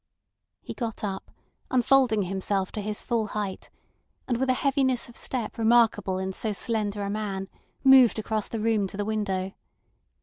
He got up, unfolding himself to his full height, and with a heaviness of step remarkable in so slender a man, moved across the room to the window.